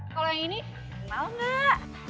kalau ini kenal nggak